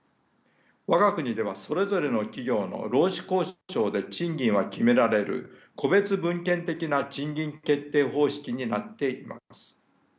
我が国ではそれぞれの企業の労使交渉で賃金は決められる個別分権的な賃金決定方式になっています。